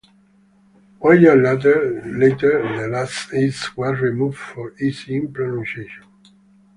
One year later the last "s" was removed for ease in pronunciation.